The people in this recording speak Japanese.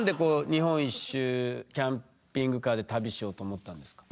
日本一周キャンピングカーで旅しようと思ったんですか？